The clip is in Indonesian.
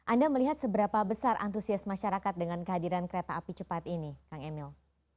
anda melihat seberapa besar antusias masyarakat dengan kehadiran kereta api cepat ini kang emil